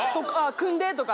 組んでとか。